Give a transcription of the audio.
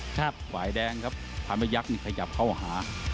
ขวายแดงครับทำให้ยักษ์ขยับเข้าหา